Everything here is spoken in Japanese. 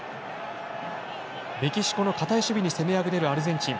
メキシコの堅い守備に攻めあぐねるアルゼンチン。